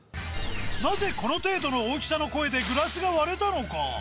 なぜこの程度の大きさの声でグラスが割れたのか？